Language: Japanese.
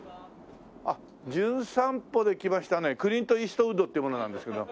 『じゅん散歩』で来ましたねクリント・イーストウッドっていう者なんですけど。